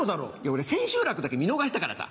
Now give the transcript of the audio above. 俺千秋楽だけ見逃したからさ。